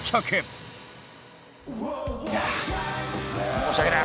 申し訳ない。